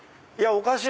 おかしい